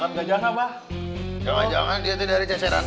jangan jangan dia itu dari cesaran